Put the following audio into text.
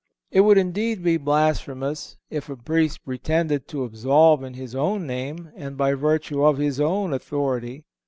It would, indeed, be blasphemous if a Priest pretended to absolve in his own name and by virtue of his own authority.